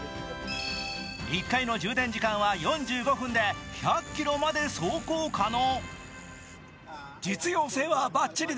１回の充電時間は４５分で１００ｋｍまで走行可能。